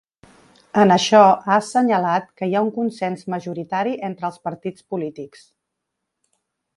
En això ha assenyalat que hi ha un consens majoritari entre els partits polítics.